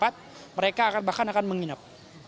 jadi mereka akan menginap mereka akan menginap